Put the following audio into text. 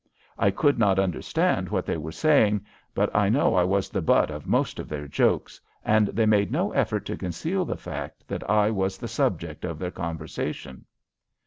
I could not understand what they were saying, but I know I was the butt of most of their jokes, and they made no effort to conceal the fact that I was the subject of their conversation.